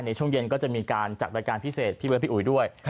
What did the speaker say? ในช่วงเย็นก็จะมีการจัดรายการพิเศษพี่เบิร์ดพี่อุ๋ยด้วย